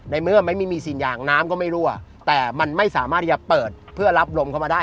เมื่อไม่มีสิ่งอย่างน้ำก็ไม่รั่วแต่มันไม่สามารถที่จะเปิดเพื่อรับลมเข้ามาได้